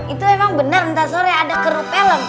itu emang benar ntar sore ada kerupelen